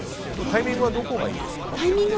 タイミングはどこがいいんですか？